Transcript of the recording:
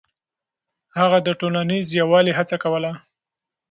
هغه د ټولنيز يووالي هڅه کوله.